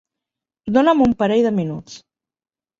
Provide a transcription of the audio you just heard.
Dona'm un parell de minuts.